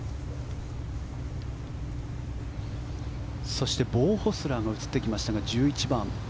そしてボウ・ホスラーが映ってきましたが１１番。